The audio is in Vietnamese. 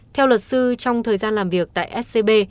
theo luật sư trong thời gian làm việc tại scb